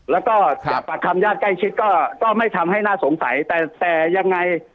แล้วก็สอบการคัยก็ก็ไม่ทำให้น่าสงสัยแต่แต่ยังไง